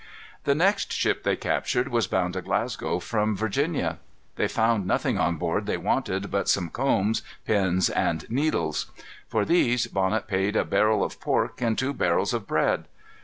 The next ship they captured was bound to Glasgow from Virginia. They found nothing on board they wanted but some combs, pins, and needles. For these Bonnet paid a barrel of pork and two barrels of bread.